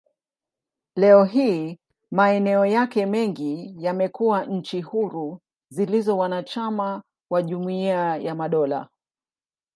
Leo hii, maeneo yake mengi yamekuwa nchi huru zilizo wanachama wa Jumuiya ya Madola.